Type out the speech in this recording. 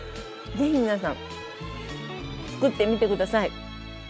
ぜひ皆さんつくってみて下さい。